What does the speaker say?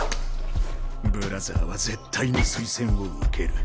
ブラザーは絶対に推薦を受ける。